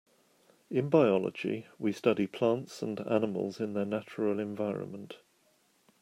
In biology we study plants and animals in their natural environment.